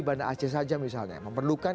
bandar aceh saja misalnya memperlukan